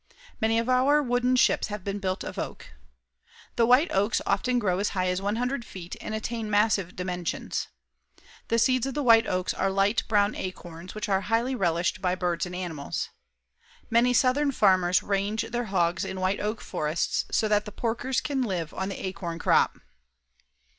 Many of our wooden ships have been built of oak. The white oaks often grow as high as 100 feet and attain massive dimensions. The seeds of the white oaks are light brown acorns, which are highly relished by birds and animals. Many southern farmers range their hogs in white oak forests so that the porkers can live on the acorn crop.